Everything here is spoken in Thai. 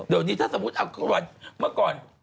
เดี๋ยวนี้ถ้าสมมุติเอาวันเมื่อก่อน